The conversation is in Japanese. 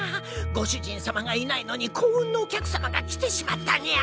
ご主人様がいないのに幸運のお客様が来てしまったにゃ。